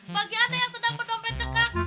bagi anda yang sedang berdompet cekat